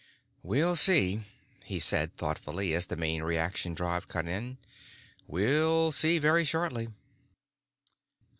"We'll see," he said thoughtfully as the main reaction drive cut in. "We'll see very shortly."